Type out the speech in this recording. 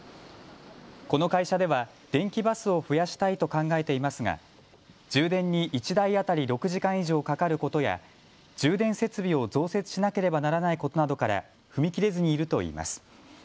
この会社では電気バスを増やしたいと考えていますが充電に１台当たり６時間以上かかることや充電設備を増設しなければならないことなどから踏み切れずにいるといいます。